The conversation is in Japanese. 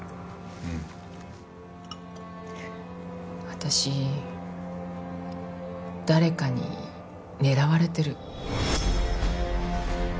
私誰かに狙われてる。